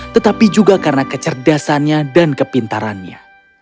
tetapi juga karena kecerdasannya dan kepintarannya